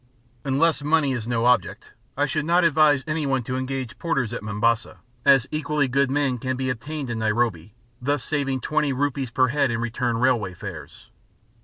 Unless money is no object, I should not advise anyone to engage porters at Mombasa, as equally good men can be obtained at Nairobi, thus saving 20 rupees per head in return railway fares.